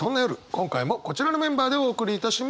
今回もこちらのメンバーでお送りいたします。